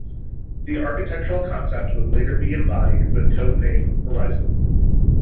The architectural concept would later be embodied with code-named Horizon.